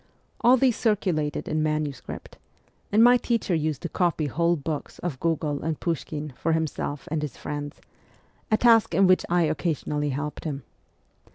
All these circulated in manuscript, and my teacher used to copy whole books of Gogol and Pushkin for himself and his friends, a task CHILDHOOD 77 in which I occasionally helped him.